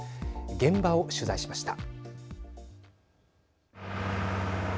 現場を取材しました。